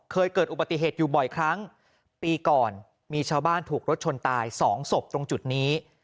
เกิดอุบัติเหตุอยู่บ่อยครั้งปีก่อนมีชาวบ้านถูกรถชนตายสองศพตรงจุดนี้